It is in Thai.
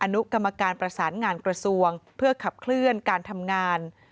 อนุกรรมการประสานงานกระทรวงเพื่อขับเคลื่อนการทำงาน